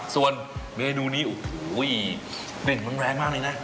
ส่วนเมนูนี้โอ๊ยเร่งคำแรงมากเลยนะ